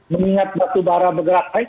mengingat batubara bergerak naik